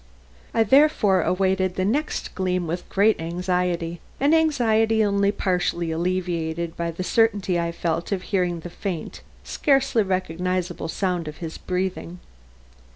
I therefore awaited the next gleam with great anxiety, an anxiety only partly alleviated by the certainty I felt of hearing the faint, scarcely recognizable sound of his breathing.